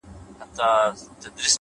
گل وي ياران وي او سايه د غرمې”